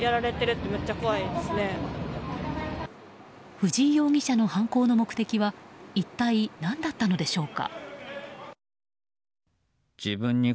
藤井容疑者の犯行の目的は一体、何だったのでしょうか？